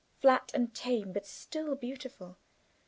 Flat and tame, but still beautiful.